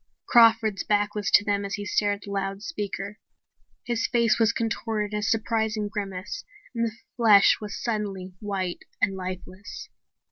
Crawford's back was to them as he stared at the loudspeaker. His face was contorted in a surprised grimace and the flesh was suddenly white and lifeless.